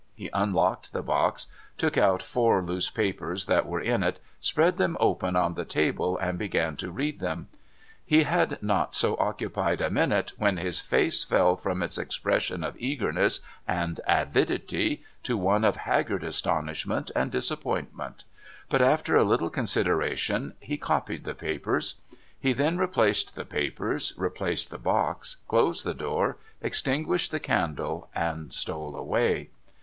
He unlocked the box, took out four loose papers that were in it, spread them open on the table, and began to read them. He had not so occupied a minute, when his face fell from its expression of eagerness and avidity, to one of haggard astonishment and disappointment. But, after a little consideration, he copied the papers. He then replaced the papers, replaced the box, closed the door, extinguished the candle, and stole away.